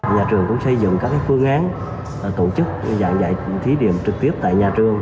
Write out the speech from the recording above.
nhà trường cũng xây dựng các phương án tổ chức giảng dạy thí điểm trực tiếp tại nhà trường